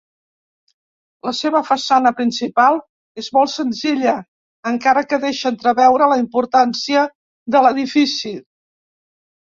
La seva façana principal és molt senzilla, encara que deixa entreveure la importància de l'edifici.